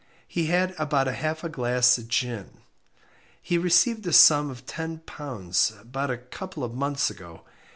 He had about half a glass of gin. He received a sum of £10 about a couple of months ago.